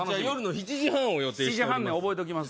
７時半ね覚えときます